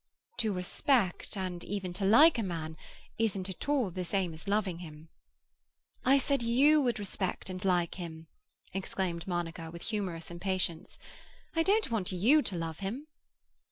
"To respect, and even to like, a man, isn't at all the same as loving him." "I said you would respect and like him," exclaimed Monica, with humorous impatience. "I don't want you to love him."